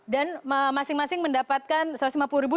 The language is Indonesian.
dan masing masing mendapatkan satu ratus lima puluh ribu